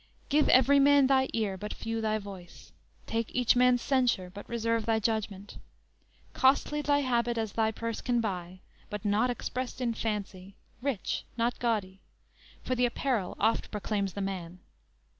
Give every man thy ear, but few thy voice; Take each man's censure, but reserve thy judgment. Costly thy habit as thy purse can buy, But not expressed in fancy; rich, not gaudy; For the apparel oft proclaims the man.